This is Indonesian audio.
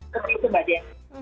begitu mbak de